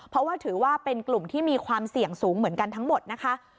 เพราะว่าถือว่าเป็นกลุ่มที่มีความเสี่ยงสูงเหมือนกันทั้งหมดนะคะ